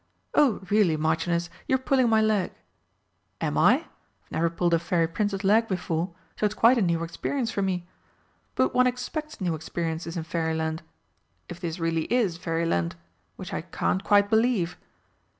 "Oh, really, Marchioness, you're pulling my leg!" "Am I? I've never pulled a Fairy Prince's leg before, so it's quite a new experience for me. But one expects new experiences in Fairyland if this really is Fairyland, which I can't quite believe!"